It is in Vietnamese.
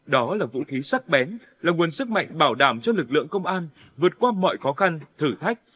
đó là vũ khí sắc bén là nguồn sức mạnh bảo đảm cho lực lượng công an vượt qua mọi khó khăn thử thách